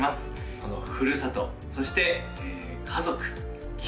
この「ふるさと」そして「家族」「絆」